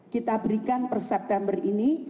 kita berikan per september ini